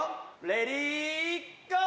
レディーゴー！」